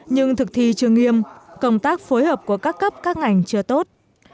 nhưng thực thi chưa nghiêm công tác phối hợp của các cấp các ngành chưa tốt